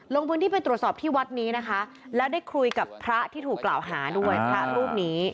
ลงพื้นที่ไปตรวจสอบที่วัดนี้นะคะแล้วได้คุยกับพระที่ถูกกล่าวหาด้วยพระรูปนี้